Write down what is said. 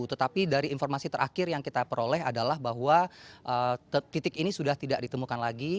tetapi dari informasi terakhir yang kita peroleh adalah bahwa titik ini sudah tidak ditemukan lagi